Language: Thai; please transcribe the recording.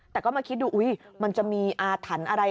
แต่ก็มาคิดดูอุ๊ยมันจะมีอาถรรพ์อะไร